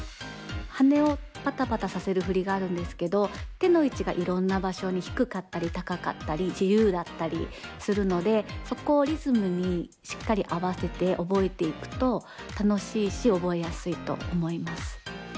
はねをパタパタさせるふりがあるんですけどてのいちがいろんなばしょにひくかったりたかかったりじゆうだったりするのでそこをリズムにしっかりあわせておぼえていくと楽しいしおぼえやすいとおもいます。